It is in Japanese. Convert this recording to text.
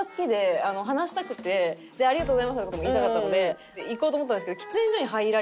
「ありがとうございました」とかも言いたかったので行こうと思ったんですけど。